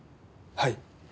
はい。